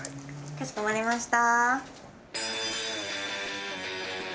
かしこまりました。